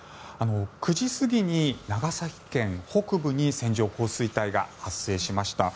９時過ぎに長崎県北部に線状降水帯が発生しました。